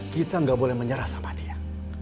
kita nggak boleh menyerah sama dia